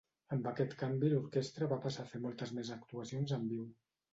Amb aquest canvi l'orquestra va passar a fer moltes més actuacions en viu.